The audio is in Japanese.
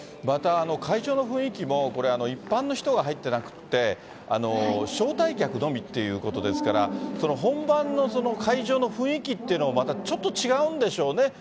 また会場の雰囲気も、これ、一般の人が入ってなくて、招待客のみということですから、本番の会場の雰囲気っていうのも、またちょっと違うんでしょうね。